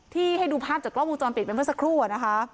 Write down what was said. ที่ให้ดูภาพจากกล้องมูลจรปิดเป็นเพิ่มสักครู่